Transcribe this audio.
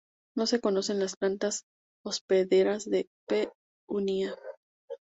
No se conocen las plantas hospederas de "P. unia".